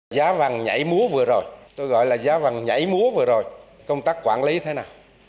giá vàng nhảy múa vừa rồi tôi gọi là giá vàng nhảy múa vừa rồi công tác quản lý thế nào